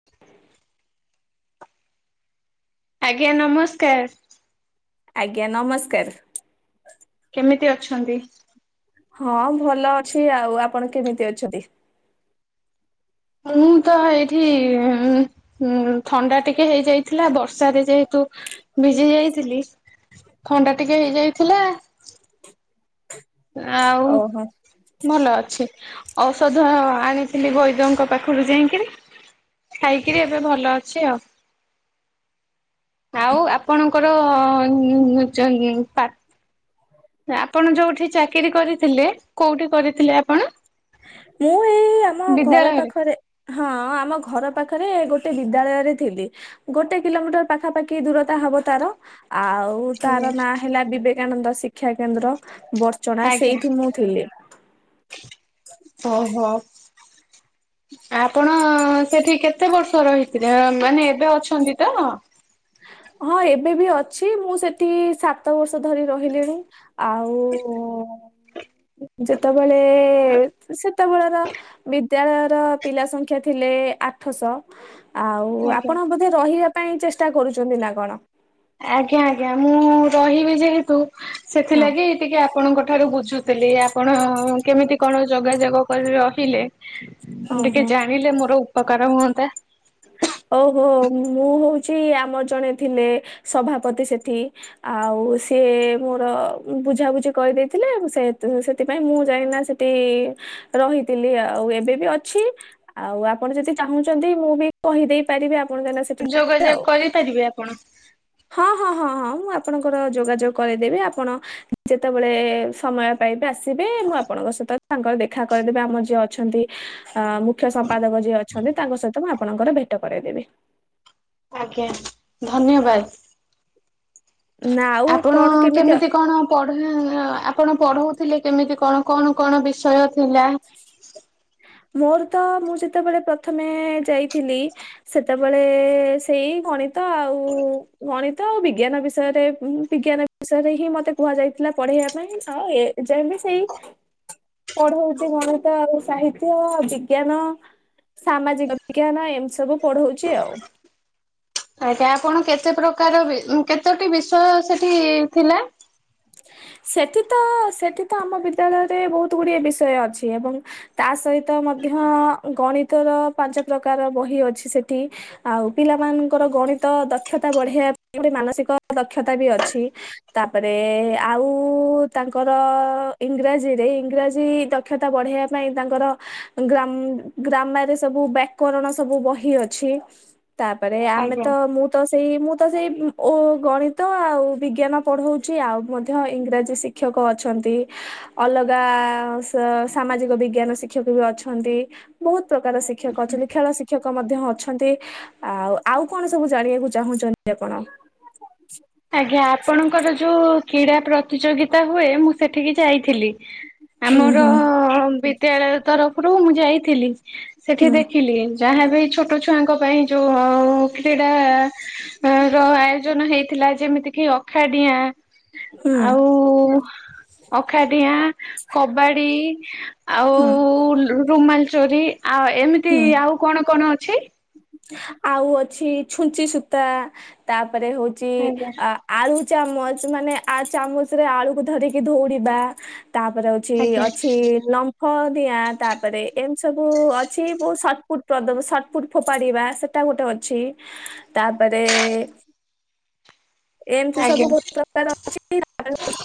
[inaudible] ଆଜ୍ଞା ନମସ୍କାର। ଆଜ୍ଞା ନମସ୍କାର। କେମିତି ଅଛନ୍ତି? ହଁ ଭଲ ଅଛି ଆଉ ଆପଣ କେମିତି ଅଛନ୍ତି? ମୁଁ ତ ଏଇଠି ଉଁ ହୁଁ ଥଣ୍ଡା ଟିକେ ହେଇଯାଇଥିଲା ବର୍ଷାରେ ଯେହେତୁ ଭିଜି ଯାଇଥିଲି। ଥଣ୍ଡା ଟିକେ ହେଇଯାଇଥିଲା। ଆଉ ଓହୋ ଭଲ ଅଛି। ଔଷଧ ଆଣିଥିଲି ବୈଦଙ୍କ ପାଖରୁ ଯାଇକିରି। ଖାଇକିରି ଏବେ ଭଲ ଅଛି ଆଉ। ଆଉ ଆପଣଙ୍କର ଉଁ ପା ଆପଣ ଯୋଉଠି ଚାକିରି କରିଥିଲେ କୋଉଠି କରିଥିଲେ ଆପଣ? ମୁଁ ଏଇ ଆମ ଘର ବିଦ୍ୟାଳୟରେ ପାଖରେ। ହଁ ଆମ ଘର ପାଖରେ ଗୋଟେ ବିଦ୍ୟାଳୟରେ ଥିଲି। ଗୋଟେ କିଲୋମିଟର ପାଖାପାଖି ଦୂରତା ହବ ତାର। ଆଉ ଉ ତାର ନାଁ ହେଲା ବିବେକାନନ୍ଦ ଶିକ୍ଷା କେନ୍ଦ୍ର ବର୍ଚଣା ସେଇଠି ମୁଁ ଥିଲି। ଓ ହୋ। ଆପଣ ସେଠି କେତେ ବର୍ଷ ରହିଥିଲେ ମାନେ ଏବେ ଅଛନ୍ତି ତ? ହଁ ଏବେ ବି ଅଛି ମୁଁ ସେଠି ସାତ ବର୍ଷ ଧରି ରହିଲିଣି। ଆଉ ଯେତେବେଳେ ସେତେବେଳର ବି ଦ୍ୟାଳୟର ପିଲା ସଂଖ୍ୟା ଥିଲେ ଆଠଶହ ଆଉ ଆଜ୍ଞା। ଆପଣ ବୋ ରହିବା ପାଇଁ ଚେଷ୍ଟା କରୁଛନ୍ତି ନା କଣ? ଆଜ୍ଞା ଆଜ୍ଞା ମୁଁ ରହିବି ଯେହେତୁ ହଁ ସେଥିଲାଗି ଟିକେ ଆପଣଙ୍କ ଠାରୁ ବୁଝୁଥିଲି ଆପଣ କେମିତି କଣ ଯୋଗାଯୋଗ କରି ରହିଲେ? ଟିକେ ଓହୋ ଜାଣିଲେ ମୋର ଉପକାର ହୁଅନ୍ତା। ଓହୋ ମୁଁ ହଉଛି ଆମର ଜଣେ ଥିଲେ ସଭାପତି ସେଠି। ଆଉ ସିଏ ମୋର ବୁଝାବୁଝି କରିଦେଇଥିଲେ ଶେଥ ସେଥିପାଇଁ ମୁଁ ଯାଇକିନା ସେ ଟି ରହିଥିଲି ଆଉ ଏବେ ବି ଅଛି ଆଉ ଆପଣ ଯଦି ଚାହୁଁଛନ୍ତି ମୁଁ ବି କହିଦେଇ ପାରିବେ ଆପଣ କାଇଁକିନା ସେଠ ଯୋଗାଯୋଗ ଆଉ କରିପାରିବେ ଆପଣ? ହଁ ହଁ ହଁ ହଁ ମୁଁ ଆପଣଙ୍କର ଯୋଗାଯୋଗ କରିଦେବି ଆପଣ ଯେତେବେଳେ ସମୟ ପାଇବେ ଆସିବେ ମୁଁ ଆପଣଙ୍କ ସହିତ ତାଙ୍କର ଦେଖା କରିଦେବେ ଆମର ଯିଏ ଅଛନ୍ତି ଅ ମୁଖ୍ୟ ସମ୍ପାଦକ ଯିଏ ଅଛନ୍ତି ତାଙ୍କ ସହିତ ଆପଣଙ୍କର ଭେଟ କରାଇଦେବି। ଆଜ୍ଞା ଧନ୍ୟବାଦ ନା ଆଉ ଆପଣ କଣ କେମିତି କଣ? ପଢନ ଆପଣ ପଢ଼ଉଥିଲେ କେମିତି କଣ କଣ କଣ ବିଷୟ ଥିଲା ପ? [unintelligible] ମୋର ତ ମୁଁ ଯେତେବେଳେ ପ୍ରଥମେ ଯାଇଥିଲି ସେତେବେଳେ ସେଇ ଗଣିତ ଆଉ ଗଣିତ ଆଉ ବିଜ୍ଞାନ ବିଷୟରେ ବିଜ୍ଞାନ ଶାରେ ହିଁ ମତେ କୁହାଯାଇଥିଲା ପଢ଼େଇବା ପାଇଁ ଆଉ ଏ ଯେମି ସେଇ [inaudible] ପଢ଼ଉଚି ଗଣିତ ଆଉ ସାହିତ୍ୟ ବିଜ୍ଞାନ ସାମାଜିକ ବିଜ୍ଞାନ ଏମିତି ସବୁ ପଢ଼ଉଛି ଆଉ ଆଜ୍ଞା ଆପଣ କେତେ ପ୍ରକାର ବି କେତୋଟି ବିଷୟ ସେଠି ଥିଲା? ସେଠି ତ ସେଠି ତ ଆମ ବିଦ୍ୟାଳୟରେ ବହୁତ ଗୁଡ଼ିଏ ବିଷୟ ଅଛି ଏବଂ ତା ସହିତ ମଧ୍ୟ ଗଣିତର ପାଞ୍ଚ ପ୍ରକାର ବହି ଅଛି ସେଠି। ଆଉ ପିଲାମାନଙ୍କର ଗଣିତ ଦକ୍ଷତା ବଢ଼େଇବା ପାଇଁ ବି ମାନସିକ ଦକ୍ଷତା ବି ଅଛି। ତାପରେ ଆଉ ଉ ତାଙ୍କର ଇଂରାଜୀରେ ଇଂରାଜୀ ଦକ୍ଷତା ବଢ଼େଇବା ପାଇଁ ତାଙ୍କର ଗ୍ରାମ ଗ୍ରାମାରରେ ସବୁ ବ୍ୟାକରଣ ସବୁ ବହି ଅଛି। ତାପରେ ଆମେ ଆଜ୍ଞା। ତ ମୁଁ ତ ସେଇ ମୁଁ ତ ସେଇ ଓ ଗଣିତ ଆଉ ବିଜ୍ଞାନ ପଢ଼ଉଛି ଆଉ ମ ମଧ୍ୟ ଇଂରାଜୀ ଶିକ୍ଷକ ଅଛନ୍ତି। ଅଲଗା ସ ସାମାଜିକ ବିଜ୍ଞାନ ଶିକ୍ଷକ ବି ଅଛନ୍ତି ବହୁତ ପ୍ରକାର ଶି କ୍ଷକ ଅଛନ୍ତି ଖେଳ ଶିକ୍ଷକ ଲୋକ ମଧ୍ୟ ଅଛନ୍ତି ଆଉ ଆଉ କଣ ସବୁ ଜାଣିବାକୁ ଚାହୁଁଛନ୍ତି ଆପଣ? ଆଜ୍ଞା ଆପଣଙ୍କର ଯୋଉ କ୍ରୀଡ଼ା ପ୍ରତିଯୋଗିତା ହୁଏ ମୁଁ ସେଠିକି ଯାଇଥିଲି ହୁଁ ଆମର ହୁଁ ବିଦ୍ୟାଳୟ ତରଫରୁ ମୁଁ ଯାଇଥିଲି ସେଠି ହୁଁ ଦେଖିଲି ଯାହାବି ଛୋଟ ଛୁଆଙ୍କ ପାଇଁ ଯୋଉ କ୍ରୀଡ଼ା ର ଆୟୋଜନ ହେଇ ଥିଲା ଯେମିତି କିି ଅଖାଡିଆଁ ହୁଁ ଆଉ ଅଖାଡିଆଁ କବାଡ଼ି ଆଉ ହୁଁ ଲୁ ରୁମାଲ ଚୋରି ଆଉ ଏମିତି ହୁଁ ଆଉ କଣ କଣ ଅଛି? ଆଉ ଅଛି ଛୁଞ୍ଚି ସୂତା ତାପରେ ହଉଚି ଆଜ୍ଞା ଆଳୁ ଚାମଚ ମାନେ ଆ ଚାମଚ ରେ ଆଳୁକୁ ଧରିକି ଧଉଡ଼ିବା ତାପରେ ଆଉ ଅଛି ଆଜ୍ଞା ଅଛି ଲମ୍ ହଁ ଦିଆ ତାପରେ ଏମିତି ସବୁ ଅଛି ବହୁ ସଟ ଫୁଟ ପ୍ର ସଟ ପରିବା ସେଟା ଗୋଟେ ଅଛି, ତାପରେ ଏମତି ସବୁ ଆଜ୍ଞା ବହୁତ ପ୍ରକାର ଅଛି।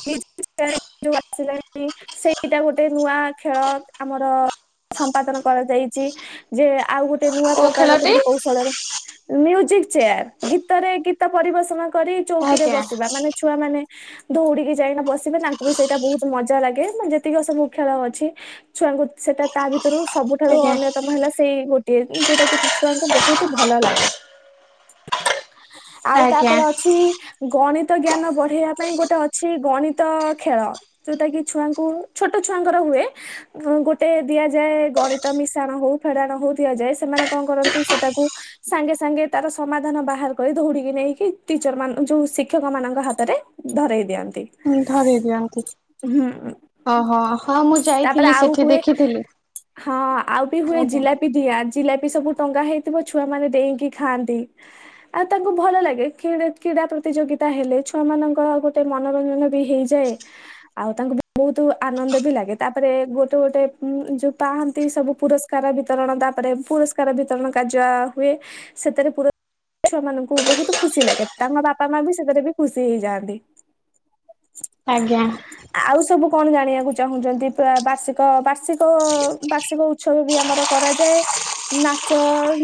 [unintelligible] ଆସିଲାଣି ସେଇଟା ଗୋଟେ ନୂଆ ଖେଳ ଆମର। ସମ୍ପାଦନ କରାଯାଇଛି ଯେ ଆଉ ଗୋଟେ ନୂଆ କୋଉ ପ୍ରକାରର ଖେଳଟି କେମିତି କୌଶଳରେ ମିଉଜିକ ଚେୟାର ଗୀତରେ ଗୀତ ପରିବେଷଣ କରି ଚୌକିରେ ଆଜ୍ଞା। ବସିବା ମାନେ ଛୁଆମାନେ। ଦୌଡିକି ଯାଇକିନା ବସିବେ ତାଙ୍କୁ ବି ସେଇଟା ବହୁତ ମଜା ଲାଗେ, ମାନେ ଯେତିକ ସବୁ ଖେଳ ଅଛି। ଛୁଆଙ୍କୁ, ସେଟା ତା ଭିତରୁ ସବୁଠାରୁ ଆଜ୍ଞା ଅନ୍ୟତମ ହେଲା ସେଇ ଗୋ ଟିଏ ଯୋଉଟା କି ଛୁଆଙ୍କୁ ବହୁତ ଭଲ ଲାଗେ। ଆଉ ଆଜ୍ଞା ତାପରେ ଅଛି ଗଣିତ ଜ୍ଞାନ ବଢେଇବା ପାଇଁ ଗୋଟେ ଅଛି ଗଣିତ ଖେଳ। ଯୋଉଟା କିି ଛୁଆଙ୍କୁ ଛୋଟ ଛୁଆଙ୍କର ହୁଏ। ଉ ଗୋଟେ ଦିଆଯାଏ ଗଣିତ ମିଶାଣ ହଉ ଫେଡାଣ ହଉ ଦିଆଯାଏ, ସେମାନେ କଣ କରନ୍ତି ସେଟାକୁ ସାଙ୍ଗେ ସାଙ୍ଗେ ତାର ସମାଧାନ ବାହାର କରି, ଦୌଡିକି ନେଇକି ଟିଚର ମାନ ଯୋଉ ଶିକ୍ଷକ ମାନଙ୍କ ହାତରେ ଧରେଇ ଦିଅନ୍ତି। ଉଁ ଧରେଇ ଦିଅନ୍ତି। ହୁଁ ଅ ହ ହଁ ମୁଁ ତାପରେ ଯାଇଥିଲି ଆଉ ସେଠି ହୁଏ ଦେଖିଥିଲି। ହଁ ଆଉ ବି ହୁଏ ଆଜ୍ଞା ଜିଲା ପି ଜିଲାପି ସବୁ ଟଙ୍ଗା ହେଇଥିବ ଛୁଆ ମାନେ ଡେଇଁକି ଖାଆନ୍ତି। ଆ ତାଙ୍କୁ ଭଲ ଲାଗେ, ଖି ରେ କ୍ରୀଡ଼ା ପ୍ରତିଯୋଗିତା ହେଲେ ଛୁଆ ମାନଙ୍କର ଗୋଟେ ମନୋରଞ୍ଜନ ବି ହେଇଯାଏ। ଆଉ ତାଙ୍କୁ ବହୁତ ଆନନ୍ଦ ବି ଲାଗେ, ତାପରେ ଗୋଟେ ଗୋଟେ ଯୋଉ ପାହାନ୍ତି ସବୁ ପୁରସ୍କ କାର ବିତରଣ ତାପରେ ପୁରସ୍କାର ବିତରଣ କାର୍ଯ୍ୟ ହୁଏ, ସେଥିରେ ପୁ ଛୁଆ ମାନଙ୍କୁ ବହୁତ ଖୁସି ଲାଗେ, ତାଙ୍କ ବାପା ମା ବି ସେଥିରେ ବି ଖୁସି ହେଇଯାଆନ୍ତି। ଆଜ୍ଞା। ଆଉ ସବୁ କଣ ଜାଣିବାକୁ ଚାହୁଁଛନ୍ତି ପୁରା ବାର୍ଷି କ ବାର୍ଷିକ ବାର୍ଷିକ ଉତ୍ସବ ବି ଆମର କରାଯାଏ। ନାଚ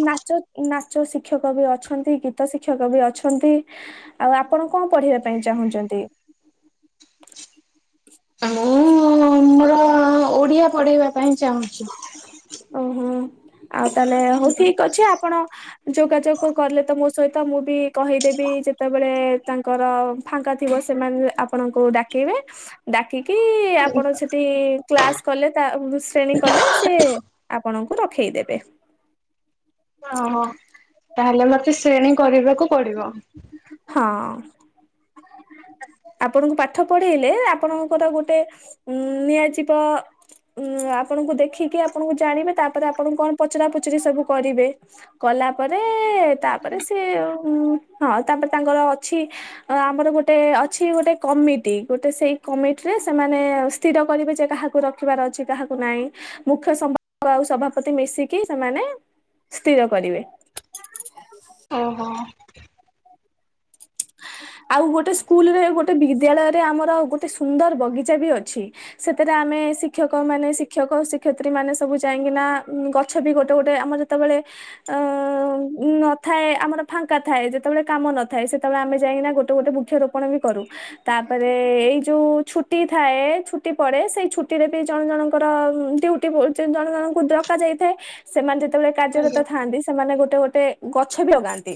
ନାଚ ନାଚ ଶିକ୍ଷକ ବି ଅଛନ୍ତି, ଗୀତ ଶିକ୍ଷକ ବି ଅଛନ୍ତି। ଆଉ ଆପଣ କଁ ପଢିବା ପାଇଁ ଚାହୁଁଚନ୍ତି? ମୁଁ ଓଡ଼ିଆ ପଢ଼େଇବା ପାଇଁ ଚାହୁଁଚି। ଉଁ ହୁଁ ଆଉ ତାହେଲେ ହଉ ଠିକ ଅଛି ଆପଣ ଯୋଗାଯୋଗ କଲେ ତ ମୋ ସହିତ, ମୁଁ ବି କହିଦେବି ଯେତେବେଳେ ତାଙ୍କର ଫାଙ୍କା ଥିବ ସେମାନେ ଆପଣଙ୍କୁ ଡାକେଇବେ। ଡାକିକି ଆପଣ ସେଠି କ୍ଲାସ କଲେ ତା ଶ୍ରେଣୀ କଲେ। ସେ ଆପଣଙ୍କୁ ରଖେଇଦେବେ। ଅ ହଁ ତାହେଲେ ମତେ ଶ୍ରେଣୀ କରିବାକୁ ପଡିବ। ହଁ। ଆ। ଆପଣଙ୍କୁ ପାଠ ପଢେଇଲେ ଆପଣଙ୍କର ଗୋଟେ ଉ ନିଆଯିବ। ଉଁ ଆପଣଙ୍କୁ ଦେଖିକି ଆପଣଙ୍କୁ ଜାଣିବେ, ତାପରେ ଆପଣଙ୍କୁ କଣ ପଚରା ପୁଚରି ସବୁ କରିବେ। କଲା ପରେ ତାପରେ ସେ ହୁଁ ହଁ ତାପରେ ତାଙ୍କର ଅଛି ଅ ଆମର ଗୋ ଗୋଟେ ଅଛି ଗୋଟେ କମିଟି ଗୋଟେ, ସେଇ କମିଟି ରେ ସେମାନେ ସ୍ଥିର କରିବେ ଯେ କାହାକୁ ରଖ ରଖିବାର ଅଛି କାହାକୁ ନାଇଁ, ମୁଖ୍ୟ ସଭା ଆଉ ସଭାପତି ମିଶିକି ସେମାନେ ସ୍ଥିର କରିବେ। ଓହୋ। ଆଉ ଗୋଟେ ସ୍କୁଲ ରେ ଗୋ ଟେ ବିଦ୍ୟାଳୟରେ ଆମର ଗୋଟେ ସୁନ୍ଦର ବଗିଚା ବି ଅଛି। ସେଥିରେ ଆମେ ଶିକ୍ଷକ ମାନେ ସି ଶିକ୍ଷକ ଶିକ୍ଷୟତ୍ରୀ ମାନେ ସବୁ ଯାଇକିନା ଗଛ ବି ଗୋଟେ ଗୋଟେ ଆମର ଯେତେବେଳେ ଅ ନଥାଏ ଆମର ଫାଙ୍କା ଥାଏ। ଯେତେବେଳେ କାମ ନଥାଏ ସେ ତେବେଳେ ଆମେ ଯାଇକିନା ଗୋଟେ ଗୋଟେ ବୃକ୍ଷ ରୋପଣ ବି କରୁ। ତାପରେ ଏଇ ଯୋଉ ଛୁଟି ଥାଏ। ଛୁଟି ପଡେ ସେଇ ଛୁଟି ରେ ବି ଜଣେ ଜଣଙ୍କର ଡିଉ ଟି ଜଣେ ଜଣଙ୍କୁ ଡକା ଯାଇଥାଏ। ସେମାନେ ଯେତେବେଳେ କାର୍ଯ୍ୟରତ ଥାଆନ୍ତି, ସେମାନେ ଗୋଟେ ଗୋଟେ ଗଛ ବି ଲଗାନ୍ତି।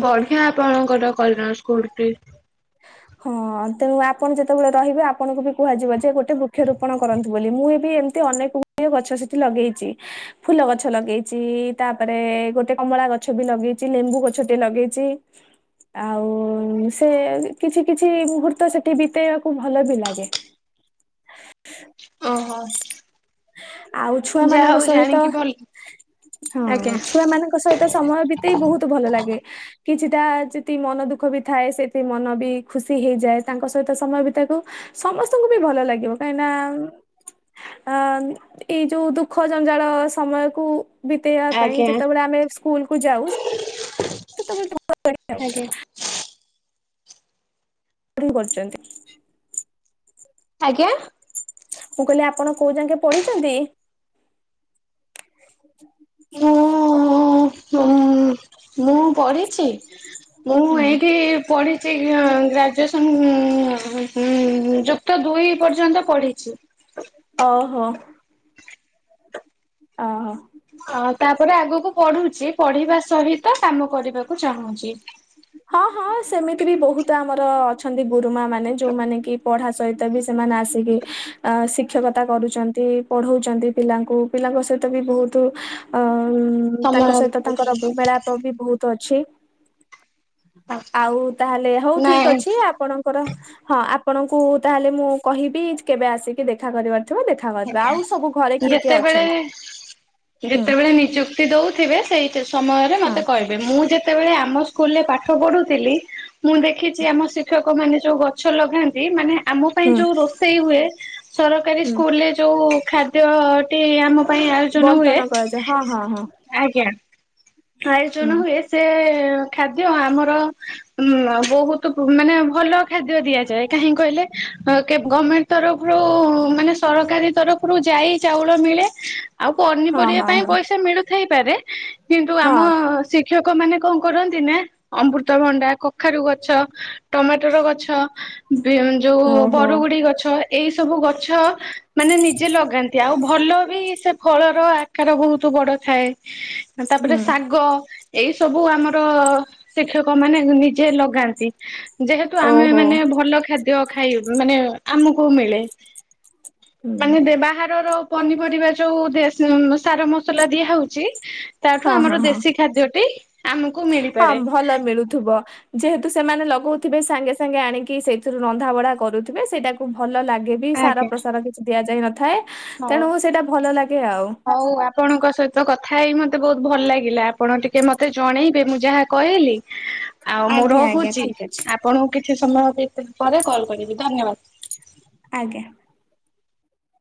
ବଢିଆ ଆପଣଙ୍କର କଲଶ୍ ସ୍କୁଲ ଟି। ହଁ ତେଣୁ ଆପଣ ଯେତେବେଳେ ରହିବେ, ଆପଣଙ୍କୁ ବି କୁହାଯିବ ଯେ ଗୋଟେ ବୃକ୍ଷରୋପଣ କରନ୍ତୁ ବୋଲି ମୁଁ ବି ଏମ୍ ତି ଅନେକ ଗୁଡ଼ିଏ ଗଛ ସେଠି ଲଗେଇଚି। ଫୁଲ ଗଛ ଲଗେଇଚି ତାପରେ ଗୋଟେ କମଳା ଗଛ ବି ଲଗେଇଚି ଲେମ୍ବୁ ଗଛ ଟେ ଲଗେଇଚି ଆଉ ସେ କିଛି-କିଛି ମୁହୂର୍ତ୍ତ ସେଠି ବିତେଇବାକୁ ଭଲ ବି ଲାଗେ। ଓହୋ। ଆଉ ଛୁଆ ଯାହା ମାନଙ୍କ ହଉ ସହିତ ଜାଣିକି ଭଲ ହଁ ଆଜ୍ଞା ଛୁଆମାନଙ୍କ ସହି ତ ସମୟ ବିତେଇ ବହୁତ୍ ଭଲ ଲାଗେ। କିଛିଟା ଯଦି ମନ ଦୁଃଖ ବି ଥାଏ ସେତିି ମନ ବି ଖୁସି ହେଇଯାଏ ତାଙ୍କ ସହିତ ସମୟ ବି ତାକୁ ସମସ୍ତଙ୍କୁ ବି ଭଲ ଲାଗିବ କାହିଁନା ଅ ଏଇ ଯୋଉ ଦୁଃଖ ଜଞ୍ଜାଳ ସମୟକୁ ବିତେଇବା ପାଇଁ ଆଜ୍ଞା। ଯେତେବେଳେ ଆମେ ସ୍କୁଲକୁୁ ଯାଉ ସେତେବେଳେ [inaudible] [inaudible] କରୁଚନ୍ତି। ଆଜ୍ଞା? ମୁଁ କହିଲି ଆପଣ କୋଉ ଯାଙ୍କେ ପଢିଚନ୍ତି? ହ ମୁଁ ପଢିଛି ମୁଁ ହୁଁ ଏଇଠି ପଢ଼ିଛି ଗ୍ରାଜୁଏସନ୍ ହୁଁ-ହୁଁ ଯୁ ଯୁକ୍ତ ଦୁଇ ପର୍ଯ୍ୟନ୍ତ ପଢିଛି। ଓହୋ। ଓହୋ। ଅ ତାପରେ ଆଗକୁ ପଢୁଛି ପଢିବା ସହିତ କାମ କରିବାକୁ ଚାହୁଁଛି। ହଁ-ହଁ ସେମିତି ବି ବହୁତ ଆମର ଅଛନ୍ତି ଗୁରୁମା ମାନେ ଯୋଉମାନେ କି ପଢା ସହିତ ବି ସେମାନେ ଆସିକି ଅ ଶିକ୍ଷକତା କରୁଛନ୍ତି ପଢଉଛନ୍ତି ପିଲାଙ୍କୁ ପିଲାଙ୍କ ସହିତ ବି ବହୁତୁ ଅ ତାଙ୍କ ସମୟ ସହିତ ତାଙ୍କର ଦେଇଛନ୍ତି ମେଳାପ୍ ବି ବହୁତ ଅଛି ଆଛା ଆଉ ତାହେଲେ ହଉ ଠିକ୍ ନାଇଁ ଅଛି ଆପଣ କର ହଁ ଆପଣଙ୍କୁ ତାହେଲେ ମୁଁ କହିବି କେବେ ଆସିକି ଦେଖା କରିବାର ଥିବ ଦେଖା କରିବା ଆଜ୍ଞା ଆଉ ସବୁ ଘରେ କିଏ କିଏ ଅଛନ୍ତି? ହୁଁ ଯେତେବେଳେ-ଯେତେବେଳେ ନିଯୁକ୍ [unintelligible] ଦେଉଥିବେ ସେଇ ସମୟରେ ହଁ ମତେ କହିବ। ମୁଁ ଯେତେବେଳେ ଆମ ସ୍କୁଲରେ ପାଠ ପଢୁଥିଲି ମୁଁ ଦେଖିଛି ଆମ ଶିକ୍ଷକ ମାନେ ଯୋଉ ଗ ଛ ଲଗାନ୍ତି ମାନେ ଆମ ପାଇଁ ହୁଁ ଯୋଉ ରୋଷେଇ ହୁଏ ସର ହୁଁ ସ୍କୁଲରେ ଯେଉଁ ଖାଦ୍ୟଟି ଆମ ପାଇଁ ଆୟୋଜନ ହୁଏ ବଣ୍ଟନ କରାଯାଏ ହଁ ହଁ ହଁ ଆଜ୍ଞା ହୁଁ ଆୟୋଜନ ହୁଏ ସେ ଖାଦ୍ୟ ଆମର ଉଁ ବହୁତୁ ମାନେ ଭଲ ଖାଦ୍ୟ ଦିଆଯାଏ କାହିଁକି କହିଲେ ଅଁ କେ ଗମେଣ୍ଟ ତରଫରୁ ମାନେ ସରକାରୀ ତରଫରୁ ଯାଇ ଚାଉଳ ମିଳେ। ଆଉ ହଁ ପନିପରିବା ହଁ ପାଇଁ ହଁ ପଇସା ମିଳୁଥାଇପାରେ କିନ୍ତୁ ଆମ ହଁ ଶି ଶିକ୍ଷକ ମାନେ କଣ କରନ୍ତି ନା ଅମୃତଭଣ୍ଡା, କଖାରୁ ଗଛ, ଟମାଟର ଗଛ ବି ଯୋଉ ଓହୋ ବରଗୁଡି ଗଛ ଏଇ ସବୁ ଗଛ ମାନେ ନିଜେ ଲଗାନ ତି ଆଉ ଭଲ ବି ସେ ଫଳର ଆକାର ବହୁତୁ ବଡ ଥାଏ। ତାପରେ ହୁଁ ଶାଗ ଏଇ ସବୁ ଆମର ଶିକ୍ଷକ ମାନେ ନିଜେ ଲଗାନ୍ତି। ଯେହେତୁ ଆମେ ଓହୋ ମାନେ ଭଲ ଖାଦ୍ୟ ଖାଇ ମାନେ ଆମକୁ ମିଳେ। ହୁଁ ମାନେ ଦେ ବାହାରର ପନିପରିବା ଯୋଉ ଦେ ସାର ମସଲା ଦିଆ ହଉଚି। ତାଠୁ ହଁ ହଁ ଆମର ହଁ ଦେଶୀ ଖାଦ୍ୟଟି ଆମକୁ ହଁ ମିଳିପାରେ। ଭଲ ମିଳୁ ଥୁବ। ଯେହେତୁ ସେମାନେ ଲଗଉଥିବେ ସାଙ୍ଗେ ସାଙ୍ଗେ ଆଣିକି ସେଇଥିରୁ ରନ୍ଧା ବଢା କରୁଥିବେ ସେଇଟାକୁ ଭଲ ଲାଗେ ବି। ବି ସାର ଆଜ୍ଞା ପ୍ରସାର କିଛି ଦିଆଯାଇ ନଥାଏ ହଉ। ତେଣୁ ସେଇଟା ଭଲ ଲାଗେ ଆଉ। ହଉ ଆପଣଙ୍କ ସହିତ କଥା ହେଇ ମତେ ବହୁତ ଭଲ ଲାଗିଲା ଆପଣ ଟିକେ ମତେ ଜଣେଇବେ ମୁଁ ଯାହା କହିଲି। ଆଉ ମୁଁ ଆଜ୍ଞା ଆଜ୍ଞା ରହୁଛି ଠିକ ଅଛି। ଆପଣଙ୍କୁ କିଛି ସମୟ ଭିତ ପରେ କଲ କରିବି ଧନ୍ୟବାଦ। ଆଜ୍ଞା।